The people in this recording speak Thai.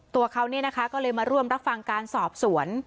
ตัวเขาเนี่ยนะคะก็เลยมาร่วมรับฟังการสอบสวน